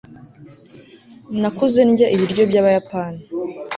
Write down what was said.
nakuze ndya ibiryo byabayapani